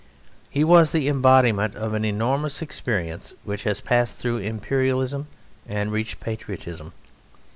He was the embodiment of an enormous experience which has passed through Imperialism and reached patriotism.